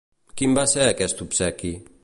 Quin va ser aquest obsequi?